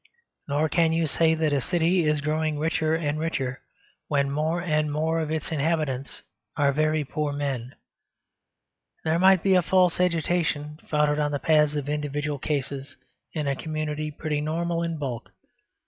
Nor can you say that a city is growing richer and richer when more and more of its inhabitants are very poor men. There might be a false agitation founded on the pathos of individual cases in a community pretty normal in bulk.